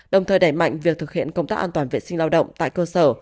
đồng thời đẩy mạnh việc thực hiện công tác an toàn vệ sinh lao động tại cơ sở